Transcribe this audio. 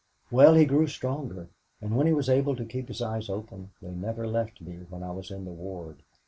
"Well, he grew stronger, and when he was able to keep his eyes open they never left me when I was in the ward.